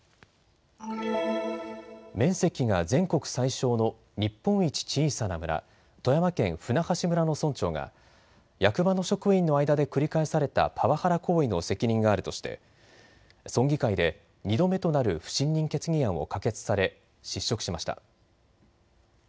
面積が全国最少の日本一小さな村、富山県舟橋村の村長が役場の職員の間で繰り返されたパワハラ行為の責任があるとして村議会で２度目となる不信任決議案を可決され失職しました。